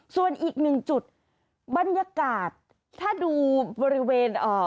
ส่วนอีกหนึ่งจุดบรรยากาศถ้าดูบริเวณเอ่อ